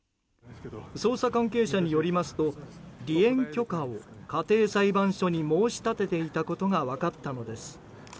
捜査関係者によりますと離縁許可を家庭裁判所に申し立てていたことが分かったのです。